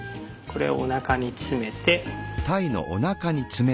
これをおなかに詰めて。